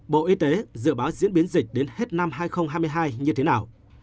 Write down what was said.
bộ y tế dự báo diễn biến dịch đến hết năm hai nghìn hai mươi hai như thế nào